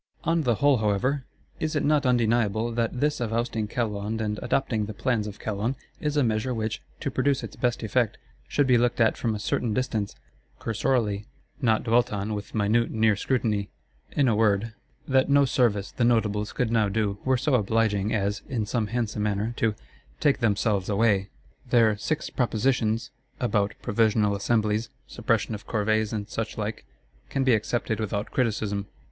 On the whole, however, is it not undeniable that this of ousting Calonne and adopting the plans of Calonne, is a measure which, to produce its best effect, should be looked at from a certain distance, cursorily; not dwelt on with minute near scrutiny. In a word, that no service the Notables could now do were so obliging as, in some handsome manner, to—take themselves away! Their "Six Propositions" about Provisional Assemblies, suppression of Corvées and suchlike, can be accepted without criticism.